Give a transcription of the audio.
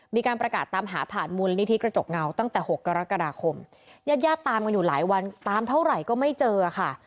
มีการประกาศตามหาผ่านมูลนิธิกระจกเงาตั้งแต่๖กรกฎาคมญาติญาติตามกันอยู่หลายวันตามเท่าไหร่ก็ไม่เจอค่ะ